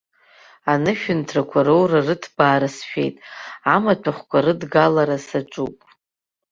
Анышәынҭрақәа роура-рыҭбаара сшәеит, амаҭәахәқәа рыдгалара саҿуп.